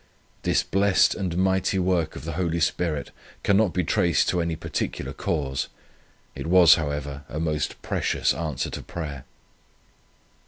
This blessed and mighty work of the Holy Spirit cannot be traced to any particular cause. It was however, a most precious answer to prayer.